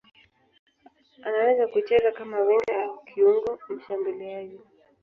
Anaweza kucheza kama winga au kiungo mshambuliaji.